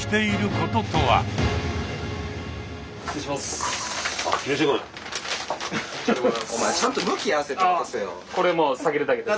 これもう下げるだけです。